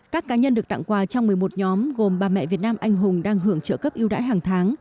các cá nhân được tặng quà trong một mươi một nhóm gồm bà mẹ việt nam anh hùng đang hưởng trợ cấp yêu đãi hàng tháng